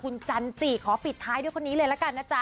เอ็นตี่ขอปิดท้ายด้วยคนนี้เลยล่ะกันน่ะจ๊ะ